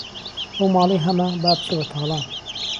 ئهو ماڵهی ههمه، با بچێ به تاڵان